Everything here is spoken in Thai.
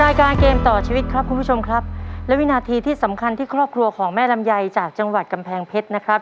รายการเกมต่อชีวิตครับคุณผู้ชมครับและวินาทีที่สำคัญที่ครอบครัวของแม่ลำไยจากจังหวัดกำแพงเพชรนะครับ